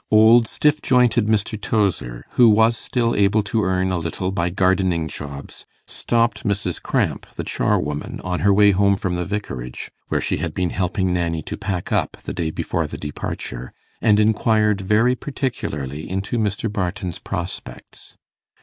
Old stiff jointed Mr. Tozer, who was still able to earn a little by gardening 'jobs', stopped Mrs. Cramp, the charwoman, on her way home from the Vicarage, where she had been helping Nanny to pack up the day before the departure, and inquired very particularly into Mr. Barton's prospects.